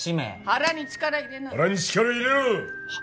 腹に力入れろ！は？